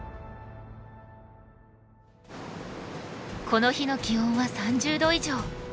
この日の気温は３０度以上。